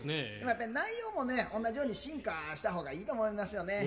内容もね同じように進化したほうがいいと思いますよね。